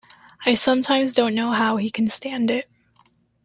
I sometimes don't know how he can stand it.